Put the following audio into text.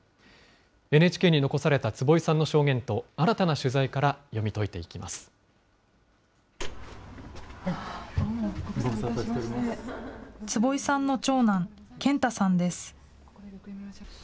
ＮＨＫに残された坪井さんの証言と、新たな取材から読み解いてい坪井さんの長男、健太さんです。